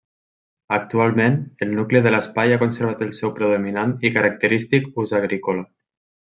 Actualment, el nucli de l'Espai ha conservat el seu predominant i característic ús agrícola.